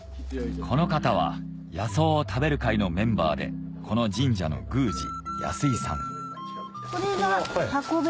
この方は野草を食べる会のメンバーでこの神社の宮司保井さんこれがハコベ。